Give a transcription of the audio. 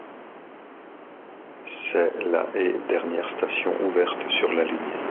C'est la et dernière station ouverte sur la ligne.